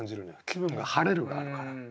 「気分が晴れる」があるから。